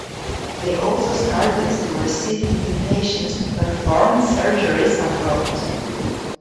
They also started to receive invitations to perform surgeries abroad.